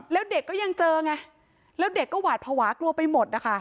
แล้วเด็กก็ยังเจอไงแล้วเด็กก็หวาดภาวะกลัวไปหมดนะคะ